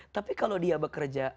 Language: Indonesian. tapi kalau dia bekerja